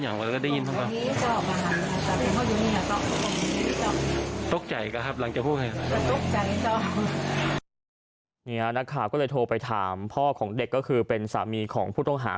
เนี่ยนะคะก็เลยโทรไปถามพ่อของเด็กก็คือเป็นสามีของผู้ท้องส่องหา